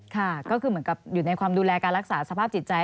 ค่ะก็คือเหมือนกับอยู่ในความดูแลการรักษาสภาพจิตใจ